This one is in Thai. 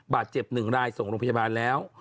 บาดเจ็บ๑รายส่งโรงพยาบาลแล้ว